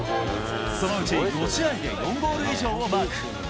そのうち５試合で４ゴール以上をマーク。